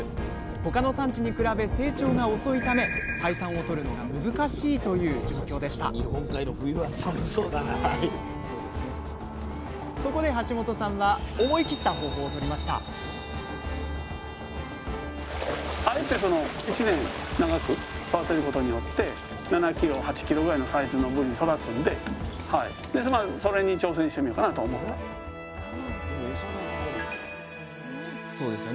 他の産地に比べ成長が遅いため採算を取るのが難しいという状況でしたそこで橋本さんは思い切った方法をとりましたでもエサ代かかるよ。